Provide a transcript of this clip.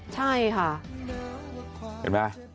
ใช่ค่ะ